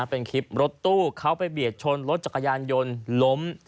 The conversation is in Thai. เป็นคลิปรถตู้เขาไปเบียดชนรถจักรยานยนต์ล้ม